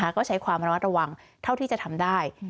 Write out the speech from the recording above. ก็ใช้ความระมัดระวังเท่าที่จะทำได้